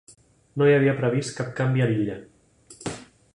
No hi ha previst cap canvi a l'illa.